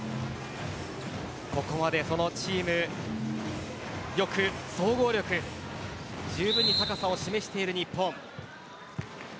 ここまでチーム力、総合力十分にに高さを示している日本。